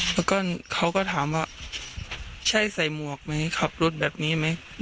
แล้วก็เขาก็ถามว่าใช่ใส่หมวกไหมขับรถแบบนี้ไหม